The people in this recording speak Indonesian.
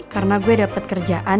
karena gue dapet kerjaan